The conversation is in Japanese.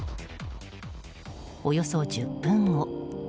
およそ１０分後。